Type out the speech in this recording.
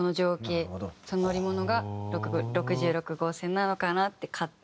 その乗り物が６６号線なのかなって勝手に。